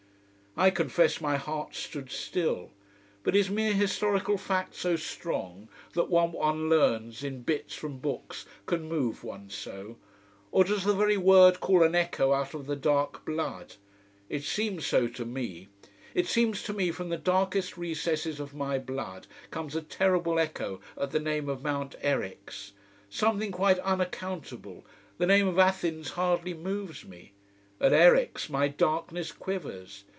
I confess my heart stood still. But is mere historical fact so strong, that what one learns in bits from books can move one so? Or does the very word call an echo out of the dark blood? It seems so to me. It seems to me from the darkest recesses of my blood comes a terrible echo at the name of Mount Eryx: something quite unaccountable. The name of Athens hardly moves me. At Eryx my darkness quivers.